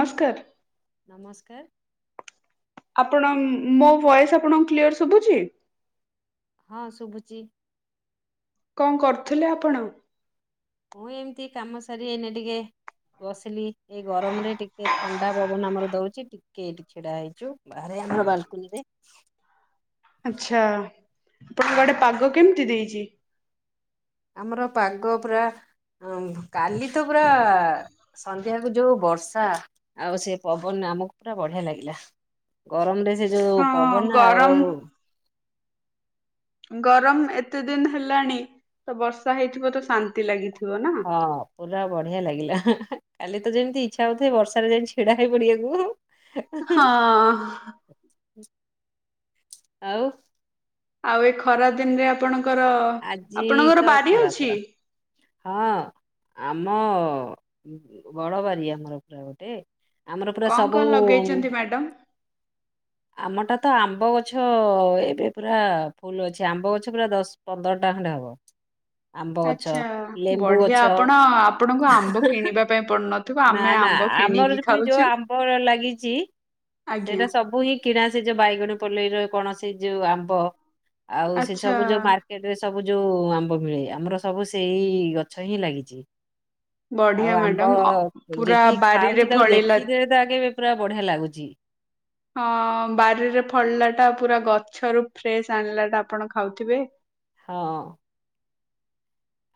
ନମସ୍କାର। ନମସ୍କାର। ଆପଣ ମୋ ଭଏସ ଆପଣଙ୍କୁ କ୍ଲିୟର ଶୁଭୁଛି। ହଁ ଶୁବୁଚି। [inaudible] କଣ କରୁଥିଲେ ଆପଣ? ମୁଁ ଏମିତି କାମ ସାର ଏନେ ଟିକେ ବସିଲି। ଏଇ ଗରମ ରେ ଟିକେ ଥଣ୍ଡା ପବନ ଆମର ଦଉଚି। ଟିକ କେଟ ଛିଡା ହେଇଛୁ ବାହାରେ ଆମର ବାଲକୁନିରେ। ଆଛା ଆପଣ ଗୋଟେ ପାଗ କେମିତି ଦେଇଛି? ଆମର ପାଗ ପୁରା କାଲି ପୁରା ନ୍ଧ୍ୟା କୁ ଯୋଉ ବର୍ଷା ଆଉ ସେ ପବନ ଆମକୁ ପୁରା ବଢିଆ ଲାଗିଲା। ଗରମରେ ସେ ଯୋଉ ହଁ ପବନ ଆଉ ଗରମ ଗରମ ଏତେ ଦିନ ହେଲାଣି ତ ବର୍ଷା ହେଇଥିବ ତ ଶାନ୍ତି ଲାଗିଛି। ହଁ ପୁରା ବଢିଆ ଲାଗିଲା। କାଲି ତ ଯେମିତି ଇଚ୍ଛା ହଉଥାଏ ବର୍ଷାରେ ଯାଇକି ଛିଡାହେଇ ପଡିବାକୁ। ହଁ। ଆଉ। ଆଉ ଇଏ ଖରା ଦିନରେ ଆପଣ। ଆଜି ତ ଖରା ଖରା ହଁ ଆମ। ଉ ବଡ ବାରି ଆମର ପୁରା ଗୋଟେ। ଆମର ପୁରା କଣ ସବୁ। କଣ ଲଗେଇଛନ୍ତି ମ୍ୟାଡାମ ଆମଟା ତ ଆମ୍ବ ଗଛ ଏବେ ପୁରା ଫୁଲ ଅଛି ଆମ୍ବ ଗଛ ପୁରା ଦଶ ପନ୍ଦର ଟା ଖଣ୍ଡେ ହବ। ଆମ୍ବ ଗଛ ଆଚ୍ଛା ଲେମ୍ବୁ ଗଛ ବଢିଆ ଆପଣ ଆପଣଙ୍କୁ ଆମ୍ବ କିଣିବା ପାଇଁ ପଡୁନ ନା ନା ଆମର ଯ ପୁଣି ଯୋଉ ଆମ୍ବ ର ଲାଗିଛି ଆଜ୍ଞା ସେଇଟା ସବୁ ହିଁ କିଣା ସ ଯୋଉ ବାଇଗଣ ପଲେଇର କଣ ସେ ଯୋଉ ଆମ୍ବ। ଆଉ ସେ ଆଚ୍ଛା ସବୁ ଯୋଉ ମାର୍କେଟ ରେ ସବୁ। ଯୋଉ ଆମ୍ବ ମିଳେ ଆମର ସବୁ ସେଇ ଗଛ ହିଁ ଲାଗିଛି। ଆଉ ବଢିଆ ଆମ୍ବ ମ୍ୟାଡ଼ମ ଅ ପୁରା ଯେତିକି ବାରିରେ ଖାଉଛୁ ତାକୁ ଫଳିଲା ଦେଖିଦେଲେ ତ ଆଗେ। ପୁରା ବଢିଆ ଲାଗୁଛି। ହଁ ବାରିରେ ଫଳିଲା ଟା ପୁରା ଗଛରୁ ଫ୍ରେଶ ଆଣିଲା ଟା ଆପଣ ଖାଉଥିବେ। ହଁ।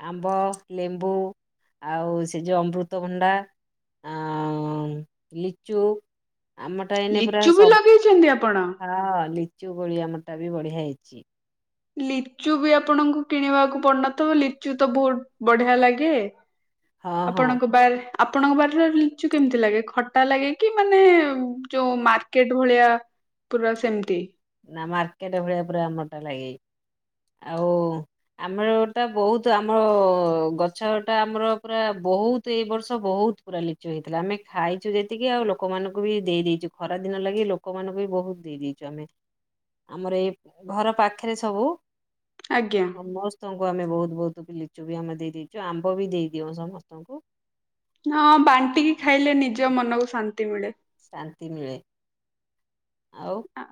ଆମ୍ବ, ଲେମ୍ବୁ ଆଉ ସେ ଯେଉଁ ଅମୃତଭଣ୍ଡା ଆଁ ଉଁ ଲିଚୁ। ଆମ ଟା ଏଇନେ ପୁରା ଲିଚୁ ବି ସବୁ ଲଗେଇଛନ୍ତି ଆପଣ? ହଁ ଲି ଚୁ କୋଳି ଆମର ଟା ବି ବଢିଆ ହେଇଛି। ଲିଚୁ ବି ଆପଣଙ୍କୁ କିଣିବାକୁ ପଡୁନ ଥିବ ଲିଚୁ ତ ବହୁତ ବଢିଆ ଲାଗେ। ହଁ ହଁ ଆପଣଙ୍କ ବାର ଆପଣଙ୍କ ବାଡିରେ ଲିଚୁ କେମିତି ଲାଗେ ଖଟା ଲାଗେ କି ମାନେ ଯୋଉ ମାର୍କେଟ ଭଳିଆ ପୁରା ସେମିତି। ନା ମାର୍କେଟ ଭଳିଆ ପୁରା ଆମର ଟା ଲାଗେଇ ଆଉ ଆମର ଟା ବହୁତ ଆମର ଗଛଟା ଆମର ପୁରା ବହୁତ ଏଇ ବର୍ଷ ବହୁତ ପୁରା ଲିଚୁ ହେଇଥିଲା ଆମେ ଖାଇଛୁ ଯେତିକି ଆଉ ଲୋକମାନଙ୍କୁ ବି ଦେଇ ଦେଇଛୁ ଖରାଦିନ ଲାଗି ଲୋକମାନଙ୍କୁ ବି ବହୁତ ଦେଇ ଦେଇେଇଛୁ ଆମେ। ଆମର ଏଇ ଘର ପାଖରେ ସବୁ। ଆଜ୍ଞା ସମସ୍ତଙ୍କ ଙ୍କୁ ଆମେ ବହୁତ ବହୁତ ଲିଚୁ ବି ଆମେ ଦେଇ ଦେଇଛୁ ଆମ୍ବ ବି ଦେଇ ଦିଅଉ ସମସ୍ତଙ୍କୁ। ହଁ ବାଣ୍ଟିକି। ଖାଇଲେ ନିଜ ମନକୁ ଶାନ ନ୍ତି ମିଳେ। ଶାନ୍ତି ମିଳେ। ଆଉ ଆ।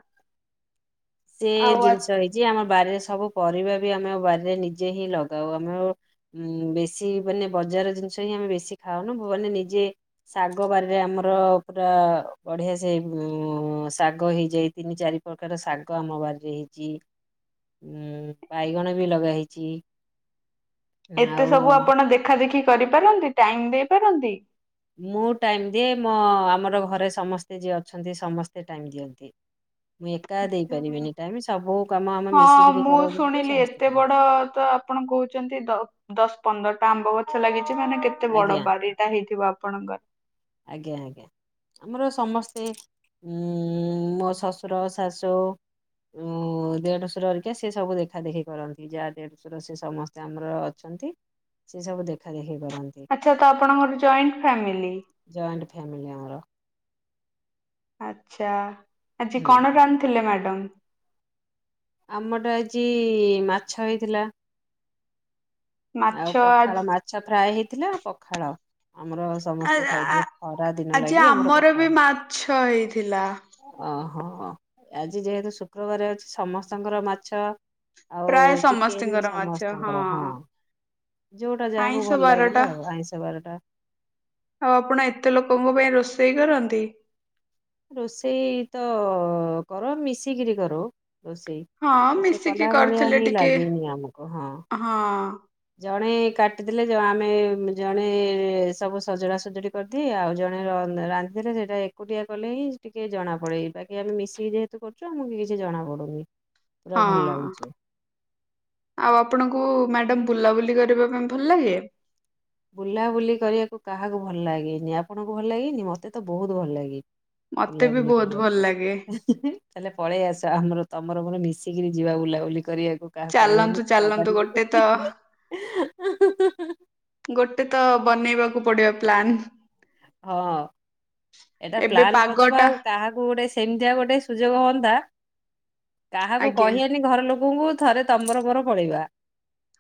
ସେ ଜିନିଷ ହେଇଛି ଆମ ବାରିରେ ସବୁ ପରିବା ବି ଆମେ ଆଉ ବାରିରେ ନିଜେ ହିଁ ଲଗାଉ ଆମ ଉଁ ବେଶୀ ମାନେ ବଜାର ଜିନିଷ ହିଁ ଆମେ ବେଶି ଖାଉନୁ ମାନେ ନିଜେ ଶାଗ ବାରିରେ ଆମର ପୁରା ବଢିଆ ସେ ଉଁ ଶାଗ ହେଇ ଯାଇ ତିନି ଚାରି ପ୍ରକାରର ଶା ଗ ଆମ ବାରିରେ ହେଇଛି ଉଁ ବାଇଗଣ ବି ଲଗା ହେଇଛି। ଏତେ ଆଉ ସବୁ ଆପଣ ଦେଖା ଦେଖି। କରିପାରନ୍ତି ଟାଇମ ଦେଇପାରନ୍ତି? ମୁଁ ଟାଇମ ଦିଏ ମୋ ଆମର ଘରେ ସମସ୍ତେ ଯିଏ ଅଛନ୍ତି ସମସ୍ତେ ଟାଇମ ଦିଅନ୍ତି। ମୁଁ ଏକା ଦେଇପାରିବିନି ଟାଇମ ସବୁ କାମ ଆମେ ହଁ ମିଶିକିରି ମୁଁ କରଉ ଯେହେତୁ ଶୁଣିଲି ସମସ୍ତେ ଏତେ କରନ୍ତି ବଡ ତ ଆପଣ କହୁଛନ୍ତି ଦଶ ପନ୍ଦରଟା ଆମ୍ବ ଗଛ ଲାଗି ମାନେ କେତେ ବଡ ଆଜ୍ଞା ବାଡିଟା ହେଇଥିବ। ଆପଣଙ୍କ। ଆଜ୍ଞା ଆଜ୍ଞା ଆମର ସମସ୍ତେ ଉ ମୋ ଶଶୁର ଶାଶୁ ଦେଢଶୁରହେରିକା ସେ ସବୁ ଦେଖା ଦେଖି କରନ୍ତି ଯାହା ଦେଢଶୁର ସେ ସମସ୍ତେ ଆମର ଅଛନ୍ତି ସେ ସବୁ ଦେଖା ଦେଖି। କରନ୍ତି ଆଚ୍ଛା ତ ଆପଣଙ୍କର ଜଏଣ୍ଟ ଫ୍ୟାମିଲି। ଜଏଣ୍ଟ ଫ୍ୟାମିଲି ଆମର। ଆଚ୍ଛା। ଆଜି ହୁଁ କଣ ରାନ୍ଧି ଥିଲେ ମ୍ୟାଡାମ। ଆମଟା ଆଜି ମାଛ ହେଇଥିଲା। ମାଛ ଆଉ ଆଜି ପଖାଳ ମାଛ ଫ୍ରାଏ ହେଇ ଥିଲା ପଖାଳ। ଆମର ଆ ସମସ୍ତେ ଆ ଖାଇଥିଲେ ଖରା ଦିନ ଆଜି ଲାଗି ଆମର ପଖାଳ ବି ହଁ। ମାଛ ହେଇଥିଲା। ହଁ ଆଜି ଯେହେତୁ ଶୁକ୍ରବାର ଅଛି ସମସ୍ ତାଙ୍କର ମାଛ। ପ୍ରାୟ ସମସ୍ତି ଚିକେନ ଙ୍କର ମାଛ ହଁ ସମସ୍ତଙ୍କର ଯୋଉଟା ଯାହାକୁ ଆଇଁଷ ଭଲ ବାରଟା ଲାଗିଲା ଆଉ ଆଇଁଷ ବାରଟା ଆଉ ଆପଣ ଏତେ ଲୋକଙ୍କ ପାଇଁ ରୋଷେ ଇ କରନ୍ତି। ରୋଷେଇ ତ କର ମିଶିକରି କରଉ। ରୋଷେଇ ହଁ ରୋଷେଇ ମିଶିକି କଲା ଭଳିଆ କରିଥିଲେ ହିଁ ଟିକେ ଲାଗେନି ଆମକୁ ହଁ। ଜଣେ କାଟିଦେଲେ ଆମେ ଜଣେ ସବୁ ସଜଡ଼ା ସଜୁଡ଼ି କରିଦେଇ ଆଉ ଜଣେ ରାନ୍ଧିଥିଲେ ସେଇଟା ଏକୁଟିଆ କଲେ ହିଁ ଟିକେ ଜଣା ପଡ଼େ ବାକି ଆମେ ମିଶିକି ଯେହେତୁ କରୁଛୁ ଆମକୁ କିଛି ଜଣାପଡ଼ୁନି। ହଁ ଆଉ ଆପଣଙ୍କୁ। ମ୍ୟାଡାମ ବୁଲାବୁଲି କରିବା ପାଇଁ ଭଲ ଲାଗେ। ବୁଲାବୁଲି କରିବାକୁ କାହାକୁ ଭଲ ଲାଗେନି ଆପଣଙ୍କୁ ଭଲ ଲାଗେନି ମତେ ତ ବହୁତ ଭଲ ଲାଗେ। ମତେ ବି ବୁଲାବୁଲି ବହୁତ କରିବା ଭଲ ପାଇଁ ଲାଗେ ତାହେଲେ ପଳେଇ ଆସ ଆମର। ତମର ମୋର ମିଶିକିରି ଯିବା ବୁଲାବୁଲି କରିବାକୁ। କାହା କହିବାନି ଚାଲନ୍ତୁ କି ଚାଲନ୍ତୁ ହବାନି ଗୋଟେ ତ ବୋଲି। ଗୋ ଗୋଟେ ତ ବନେଇବା ପଡିବ ପ୍ଲାନ୍। ହଁ। ଏଇଟା ଏବେ ପ୍ଲାନ୍ କରିଦବା ପାଗଟା ଆଉ କାହାକୁ ଗୋଟେ। ସେମିତିଆ ଗୋଟେ ସୁଯୋଗ ହୁଅନ୍ତା। କାହାକୁ ଆଜ୍ଞା କହିବାନି ଘର ଲୋ ଆସନ୍ତୁ ଥରେ ତମର ମୋର ପଳେଇବା।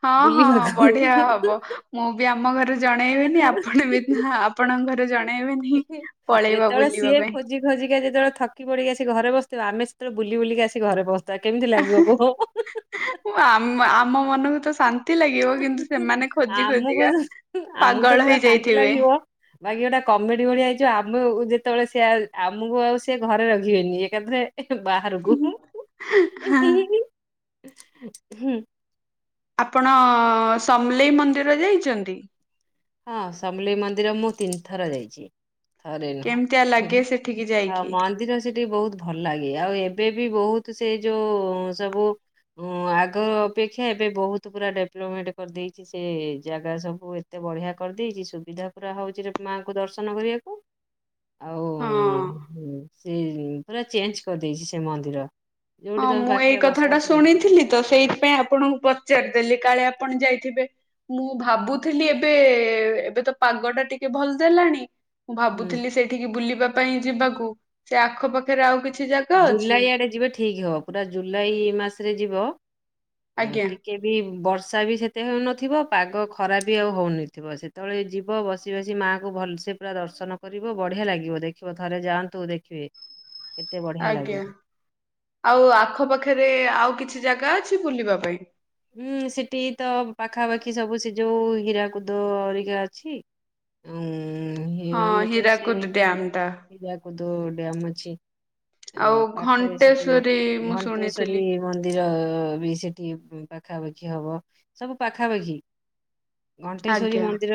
ହଁ ହଁ ବୁଲିବାକୁ। ବଢିଆ ହବ ମୁଁ ବି ଆମ ଘରେ ଜଣେଇବିନି ଆପଣ ବି ଆପଣଙ୍କ ଘରେ ଜଣେଇବେନି। ପଳେଇବା ଯେତେବେଳେ ବୁଲିବା ସିଏ ପାଇଁ ଖୋଜି ଖୋଜିକା ଯେତେବେଳେ ଥକି ପଡ଼ିକା ସେ ଘରେ ବସ ବସିବେ ଆମେ ସେତେବେଳେ ବୁଲି ବୁିଲିକି ଆସି ଘରେ ପହଞ୍ଚି ଥିବୁ। ତ କେମିତି ଲାଗିବ କୁହ। ଆମମାନଙ୍କୁ ତ। ଶାନ୍ତି ଲାଗିବ କିନ୍ତୁ ସେମାନେ ଖୋଜି ଆମକୁ ଖୋଜିିକା ଯୋଉ- ଆମକୁ ତ ପାଗଳ ପୁରା ହେଇ ଶାନ୍ତି ଯାଇଥିବେ। ଲାଗିବ। ବାକି ଗୋଟେ କମେଡ଼ି ଭଳିଆ ହେଇଛ ଆମେ ଯେତେବେଳେ ସେ ଆମକୁ ଆଉ ସେ ଘରେ ରଖିବେନି ଏକାଥରେ। ବାହାରକୁ। ହଁ ହୁଁ। ଆପଣ ସମଲେଇ ମନ୍ଦିର ଯାଇଛନ୍ତି? ହଁ ସମଲେଇ ମନ୍ଦିର ମୁଁ ତିନି ଥର ଯାଇଛି। ଥରେ ନୁହଁ। କେମିତିଆ ଲାଗେ ସେଠିକି ଆଉ ଯାଇକି? ମନ୍ଦିର ସେଠି ବହୁତ ଭଲ ଲାଗେ ଆଉ ଏବେ ବି ବହୁତ ସେ ଯୋଉ ସବୁ ଆଗ ଅପେକ୍ଷା ଏବେ ବହୁତ ପୁରା ଡେଭଲପମେଣ୍ଟ କରିଦେଇଛି ସେ ଜାଗା ସବୁ। ଏତେ ବଢ଼ିଆ କରିଦେଇଛି ସୁବିଧା ପୁରା ହଉଛି ମାଆଙ୍କୁ ଦର୍ଶନ କରିବାକୁ। ଆଉ ହଁ। ସେ ପୁରା ଚେଞ୍ଜ କରିଦେଇଛି ସେ ମନ୍ଦିର। ହଁ ଯୋଉଠି ତମେ ମୁଁ ଏଇ ପାଖରେ କଥା ବସା ଟା ବସି କରିପାରିବ। ଶୁଣିଥିଲି ତ ସେଇଥିପାଇଁ ଆପଣଙ୍କୁ ପଚାରିଦେଲି କାଳେ ଆପ ଆପଣ ଯାଇଥିବେ ମୁଁ ଭାବୁଥିଲି ଏବେ ଏବେ ତ ପାଗ ଟା ଟିକେ ଭଲ ଦେଲାଣି। ମୁଁ ହୁଁ ଭାବୁଥିଲି ସେଠିକି ବୁଲିବା ପାଇଁ ଯିବାକୁ ସେ ଆଖ ପାାଖରେ ଆଉ କିଛି ଜାଗା ଅଛି? ଜୁଲାଇ ଆଡ଼େ ଯିବେ ଠିକ ହବ। ପୁରା ଜୁଲାଇ ମାସରେ ଯିବ ହୁଁ ଆଜ୍ଞା ଟିକେ ବି ବର୍ଷା ବର୍ଷା ବି ସେତେ ହେଉନଥିବ ପାଗ ଖରାପ ବି ଆଉ ହେଉନଥିବ ସେତେବେଳେ ଯିବ ବସି ବସି ମାଆଙ୍କୁ ଭଲସେ ପୁରା ଦର୍ଶନ କରିବ ବଢ଼ିଆ ଲାଗିବ ଦେଖିବ ଥରେ ଯାଆନ୍ତୁ ଦେଖିବେ। ବଢିଆ ଆଜ୍ଞା ଲାଗିବ। ଆଉ ଆଖପାଖରେ ଆଉ କିଛି ଜାଗା ଅଛି ବୁଲିବା ପାଇଁ? ହୁଁ ସେଠି ତ ପାଖାପାଖି ସବୁ ସି ଯୋଉ ହୀରାକୁଦ ଅରିକା ଅଛି ଆଉ ହଁ ହିରା କୁଦ ଡ୍ୟାମ ଟା। କୁଦ୍ ଡ୍ୟମ୍ ଅଛି। ଆଉ ପାଖରେ ସେଠି ଘଣ୍ଟେଶ୍ଵରୀ ମୁଁ ଘଣ୍ଟେଶ୍ଵରୀ ଶୁଣିଥିଲି ମନ୍ଦିର ବି ସେଠି ପାଖାପାଖି ହବ ସବୁ ପାଖାପାଖି। ଘଣ୍ଟେଶ୍ଵରୀ ଆଜ୍ଞା। ମନ୍ଦିର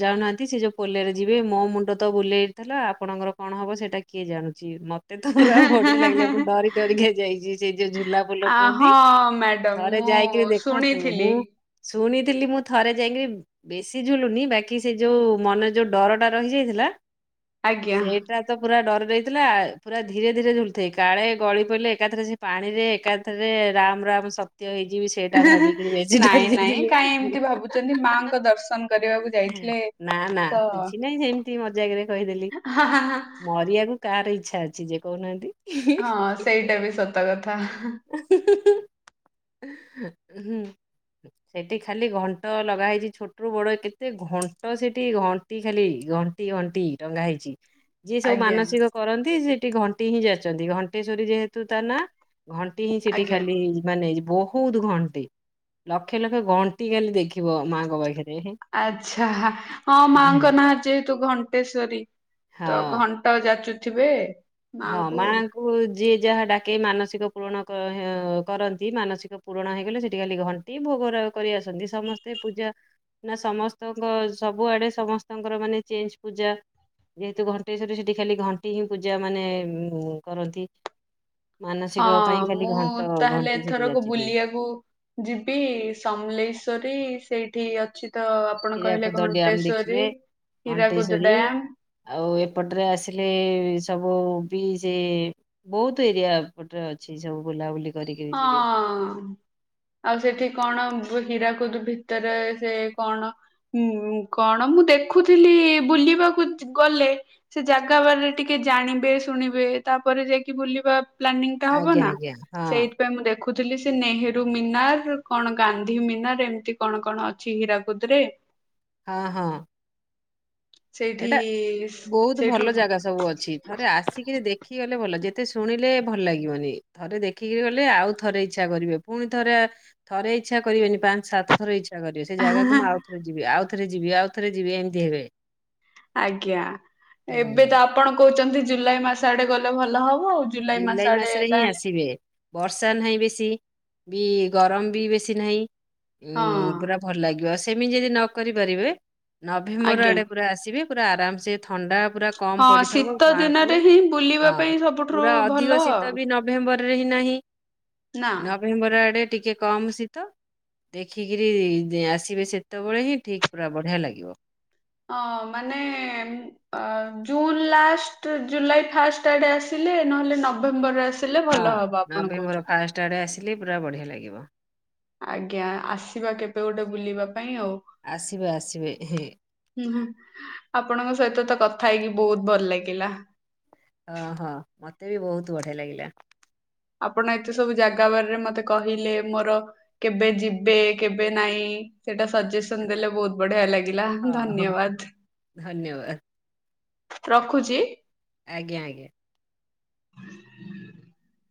ଯାଉନାହାନ୍ତି ସେ ଯୋଉ ପୋଲରେ ଯିବେ ମୋ ମୁଣ୍ଡ ତ ବୁଲେଇଥିଲା ଆପଣଙ୍କର କଣ ହବ ସେଇଟା କିଏ ଜାଣୁଛି ମତେ ମତେ ତ ପୁରା ବଢିଆ ଲାଗିଲା ମୁଁ ଡରି ଡରିକି ଯାଇଛି ସେଇ ଯୋଉ ଝୁଲା ଫୁଲ ଆ ହଁ କୁହନ୍ତି ମ୍ୟାଡାମ ଥରେ ମୁଁ ଯାଇ କିଏ ଦେଖନ୍ତୁ ଶୁଣିଥିଲି। ମୁଁ ଶୁଣିଥିଲି ମୁଁ ଥରେ ଯାଇକିରି ବେଶୀ ଝୁଲୁନି ବାକି ସେ ଯଉଁ ମନ ଯଉ ଡରଟା ରହିଯାଇଥିଲା ଆଜ୍ଞା। ସେଇଟା ତ ପୁରା ଡରି ହେଥିଲା ପୁରା ଧୀରେ ଧୀରେ ଝୁଲୁଥାଏ କାଳେ ଗଳି ପଡ଼ିଲ ଏକାଥରେ ସେ ପାଣି ରେ ଏକାଥରେ ରାମ ରାମ ସତ୍ୟ ହେଇଯିବି ସେ ଟା ଭାବିକିରି ବେଶୀ ନାଇଁ ଡରି ନାଇଁ କାହିଁ ଯାଇଥିଲି, ଏମିତି ଭାବୁଛନ୍ତି ମାଙ୍କ ଦର୍ଶନ କରିବାକୁ ଯାଇଥିଲେ ନା ନା ତ କିଛି ନାଇଁ ସେମିତି ମଜାକରେ କହିଦେଲି ମରିବାକୁ କାହାର ଇ ଛା ଅଛି ଯେ କହୁନାହାନ୍ତି। ହଁ ସେଇଟା ବି ସତ କଥା [unintelligible] ହୁଁ ସେଠି ଖାଲି ଘଣ୍ଟ ଲଗା ହେଇଛି ଛୋଟରୁୁ ବଡ କେତେ ଘଣ୍ଟ ସେଠି ଘଣ୍ଟି ଖାଲି ଘଣ୍ଟି ଘଣ୍ଟି ଟଙ୍ଗା ହେଇଛି। ଯିଏ ସବୁ ଆଜ୍ଞା ମାନସିକ କରନ୍ତି ସେ ଘଣ୍ଟିହିଁ ଯାଚନ୍ତି ଘଣ୍ଟେଶ୍ଵରୀ ଯେହେତୁ ତା ନା ଘଣ୍ଟି ହିଁ ସେଠି ଆଜ୍ଞା। ଖାଲି ମାନେ ବହୁତ ଘଣ୍ଟି ଲକ୍ଷେ ଲକ୍ଷେ ଘଣ୍ଟି କାଲି ଦେଖିବ ମାଙ୍କ ପାଖରେ ହଁ। ଆଛା ହଁ ମାଙ୍କ ନାଁ ଯେ ତୁ ଘଣ୍ଟେଶ୍ଵରୀ ତ ଘଣ୍ଟ ଯାଚୁ ଥିବେ। ହଁ ମାଙ୍କୁ ଯିଏ ଯାହା ଡାକେ ମାନସିକ ପୂରଣ କ-ହ୍ୟ କରନ୍ତି, ମାନସିକ ପୂରଣ ହେଇଗଲେ ସେଠି ଖାଲି ଘଣ୍ଟି ଭୋଗ ରାଗ କରି ଆସନ୍ତି ସମସ୍ତେ ପୂଜା ନା ସମସ୍ତଙ୍କ ସବୁଆଡେ ସମସ୍ତଙ୍କର ମାନେ ଚେଞ୍ଜ ପୂଜା, ଯେହେତୁ ଘଣ୍ଟେଶ୍ୱରି ସେଠି ଖାଲି ଘଣ୍ଟି ହିଁ ପୂଜା ମାନେ ଉଁ, କରନ୍ତି। ମାନସିକ ପାଇଁ ହଁ ଖାଲି ମୁଁ ଘଣ୍ଟ ତାହେଲେ ଘଣ୍ଟି ସେଠି ଏଥରକ ଯାଚି ଦିଅନ୍ତି ବୁଲିବାକୁ ଯିବି ସମଲେଇଶ୍ଵରୀ। ସେଇଠି ଅଛି ତ ଆପଣ କହିଲେ ହୀଆକୁଦ ଡ୍ୟାମ ଘଣ୍ଟେଶ୍ୱରୀ ଦେଖିବେ ହୀରାକୁଦ ଘଣ୍ଟେଶ୍ୱରୀ ଡ୍ୟାମ୍ ଆଉ ଏପଟରେ ଆସିଲେ ସବୁ ବି ସେ ବହୁତ ଏରିଆ ଏପଟରେ ଅଛି ସବୁ ବୁଲାବୁଲି କରିକିରି ଯିବେ। ହଁ ଆଉ ସେଠି କଣ ବୁ- ହୀରାକୁ କୁଦୁ ଭିତରେ ସେ କଣ ଉମ୍ କଣ ମୁଁ ଦେଖୁଥିଲି ବୁଲିବାକୁ ଗଲେ ସେ ଜାଗା ବାରରେ ଟିକେ ଜାଣିବେ ଶୁଣିବେ ତାପରେ ଯାଇକି ବୁଲିବା ପ୍ଲାନିଂ ଟା ହବ ଆଜ୍ଞା ନା। ଆଜ୍ଞା ହଁ ସେଇଥିପାଇଁ ମୁଁ ଦେ ଦେଖୁଥିଲି ସେ ନେହେରୁ ମିନାର, କଣ ଗାନ୍ଧୀ ମିନାର, ଏମିତି କଣ କଣ ଅଛି ହୀରାକୁଦ ରେ। ହଁ ହଁ। ସେଇଠି ଏଟା ବହୁତ ସେଇଠୁ ଭଲ ଜାଗା ସବୁ ଅଛି ଥରେ ଆସିକିରି ଦେଖି ଗଲେ ଭଲ ଯେତେ ଶୁଣିଲେ ଭଲ ଲାଗିବନି ଥରେ ଦେଖିକିରି ଗଲେ ଆଉ ଥରେ ଇଚ୍ଛା କରିବେ ପୁଣି ଥରେ ଥରେ ଇଚ୍ଛା କରିବେନି ପାଞ୍ଚ ସାତ ଥର ଇଚ୍ଛା କରିବେ ସେ ଜାଗାକୁ ମୁଁ ଆଉଥରେ ଯିବି ଆଉ ଥରେ ଯିବି ଆଉ ଥରେ ଯିବି ଏମିତି ହେବେ। ଆଜ୍ଞା ହୁଁ ଏବେ ହୁଁ। ତ ଆପଣ କହୁଚନ୍ତି ଜୁଲାଇ ମାସ ଆଡେ ଗଲେ ଭଲ ହ ଜୁଲାଇ ମାସରେ ହିଁ ଆସିବେ ବର୍ଷା ନାହିଁ ବେଶୀ। ବି ଗରମ ବି ବେଶୀ ନାହିଁ। ହଁ ଉଁ, ପୁରା ଭଲ ଲାଗିବ ଆସ ସେମିତି ଯଦି ନ କରିପାରିବେ। ନଭେମ୍ବର ଆଜ୍ଞା ଆଡେ ପୁରା ଆସିବେ। ପୁରା ଆରାମ ସେ ଥଣ୍ଡା ପୁରା କମ ହଁ ପଡିଥିବ ଶୀତ ମାଆଙ୍କୁ ଦିନରେ ହିଁ ବୁଲିବା ହଁ ପାଇଁ ସବୁ ପୁରା ଅଧିକ ଶୀତ ବି ନଭେମ୍ବରରେ ହିଁ ନାହିଁ ନା ନଭେମ୍ବର ଆଡ଼େ ଟିକେ କମ ଶୀତ ଦେଖିକିରି ଯେ ଆସିବେ ସେତେବେଳେ ହିଁ ଠିକ ପୁରା ବଢିଆ ଲାଗିବ। ହଁ ମାନେ ଅ ଜୁନ୍ ଲାଷ୍ଟ ଜୁଲାଇ ଫାଷ୍ଟ ଆଡେ ଆସିଲେ ନହେଲେ ନଭେମ୍ବରରେ ଆସ ହଁ ନଭେମ୍ବର ଫାଷ୍ଟ ଆଡେ ଆସିଲେ ପୁରା ବଢିଆ ଲାଗିବ। ଆଜ୍ଞା ଆସିବା କେବେ ଗୋଟେ ବୁଲିବା। ପାଇଁ ଆଉ ଆସିବେ ଆସିବେ ହଁ ଆପଣଙ୍କ ସହିତ ତ କ ଥା ହେଇକି ବୋହୁତ ଭଲ ଲାଗିଲା। ହଁ ହଁ ମତେ ବି ବୋହୁତ ବଢ଼ିଆ ଲାଗିଲା। ଆପଣ ଏତେ ସବୁ ଜାଗା ବାରରେ ମତେ କହିଲେ ମୋର କେବେ ଯିବେ କେବେ ନାଇଁ ସେଇଟା ସଜେସନ ଦେଲେ ବୋହୁତ ବଢିଆ ଲାଗିଲା ଧନ୍ୟବାଦ। ଧନ୍ୟବା ରଖୁଚି। ଆଜ୍ଞା ଆଜ୍ଞା। [inaudible]